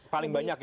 paling banyak ya